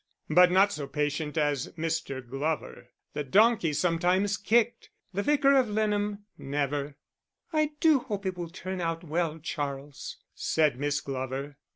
But not so patient as Mr. Glover; the donkey sometimes kicked, the Vicar of Leanham never. "I do hope it will turn out well, Charles," said Miss Glover.